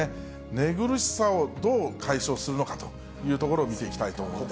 寝苦しさをどう解消するのかというところを見ていきたいと思います。